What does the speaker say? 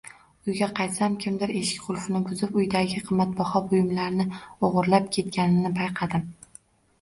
Uyga qaytsam, kimdir eshik qulfini buzib, uydagi qimmatbaho buyumlarni o'g’irlab ketganini payqadim.